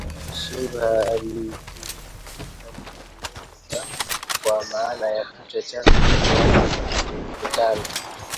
Shingo halikuwepo kwa maana ya kichwa na kifua kukutana